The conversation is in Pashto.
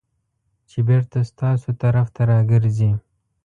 چې بېرته ستاسو طرف ته راګرځي .